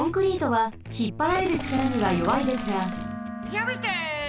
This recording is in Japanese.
やめて！